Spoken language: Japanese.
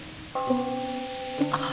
ああ。